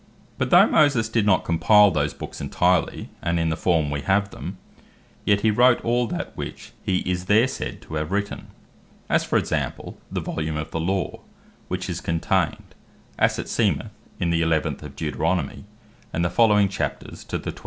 But though Moses did not compile those Books entirely, and in the form we have them; yet he wrote all that which hee is there said to have written: as for example, the Volume of the Law, which is contained, as it seemeth in the 11 of Deuteronomie, and the following Chapters to the 27.